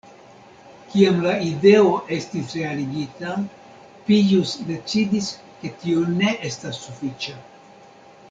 Kiam la ideo estis realigita, Pijus decidis, ke tio ne estas sufiĉa.